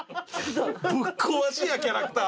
ぶっ壊しやキャラクター。